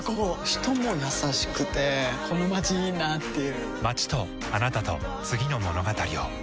人も優しくてこのまちいいなぁっていう